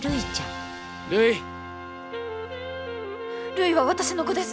るいは私の子です。